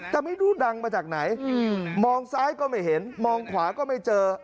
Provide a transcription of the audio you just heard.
แต่ไม่รู้ดังมาจากไหนมองซ้ายก็ไม่เห็นมองขวาก็ไม่เจอ